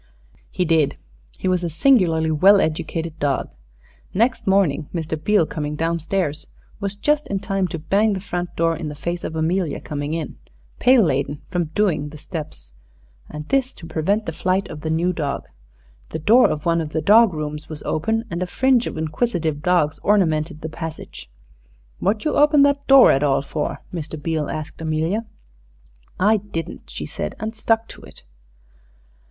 He did. He was a singularly well educated dog. Next morning Mr. Beale, coming down stairs, was just in time to bang the front door in the face of Amelia coming in, pail laden, from "doing" the steps, and this to prevent the flight of the new dog. The door of one of the dog rooms was open, and a fringe of inquisitive dogs ornamented the passage. "What you open that door at all for?" Mr. Beale asked Amelia. "I didn't," she said, and stuck to it.